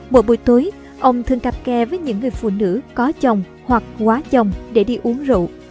mỗi buổi tối ông thường cặp kè với những người phụ nữ có chồng hoặc quá chồng để đi uống rượu